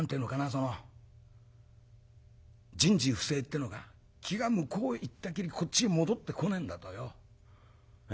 その人事不省ってのか気が向こうへ行ったきりこっちに戻ってこねえんだとよ。